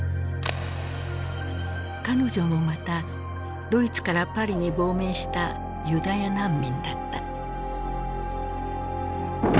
彼女もまたドイツからパリに亡命したユダヤ難民だった。